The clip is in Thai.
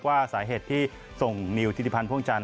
ว่าสาเหตุที่ส่งนิวธิริพันธ์พ่วงจันท